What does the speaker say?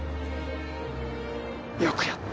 よくやった。